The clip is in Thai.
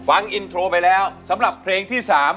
ฟังอินโทรไปแล้วสำหรับเพลงที่๓